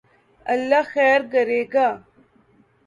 اللہ خیر کرے گا